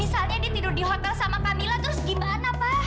misalnya dia tidur di hotel sama camilla terus gimana pak